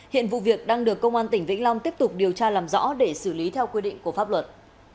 hiện vụ việc đang được công an tỉnh vĩnh long tiếp tục điều tra làm rõ để xử lý theo quy định của pháp luật